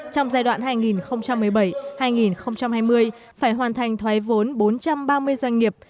trong giai đoạn hai nghìn một mươi bảy hai nghìn hai mươi phải hoàn thành thoái vốn bốn trăm ba mươi doanh nghiệp